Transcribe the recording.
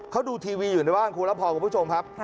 เค้าดูทีวีอยู่ในบ้านครูรับฮองกับผู้ชมครับ